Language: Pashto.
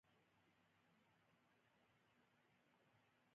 د هلمند په واشیر کې د سمنټو مواد شته.